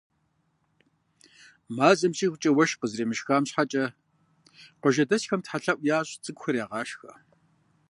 Мазэм щӏигъукӏэ уэшх къызэремышхам щхьэкӏэ, къуажэдэсхэм Тхьэлъэӏу ящӏ, цӏыкӏухэр ягъашхьэ.